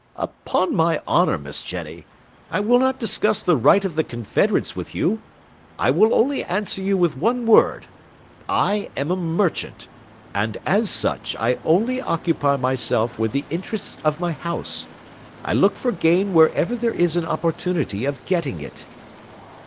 "Upon my honour, Miss Jenny, I will not discuss the right of the Confederates with you; I will only answer you with one word: I am a merchant, and as such I only occupy myself with the interests of my house; I look for gain wherever there is an opportunity of getting it."